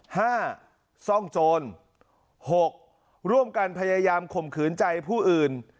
ห้าซ่องโจรหกร่วมกันพยายามข่มขืนใจผู้อื่น